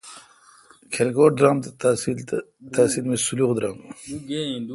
کلھکوٹ درآم تحصیل می سولح درام۔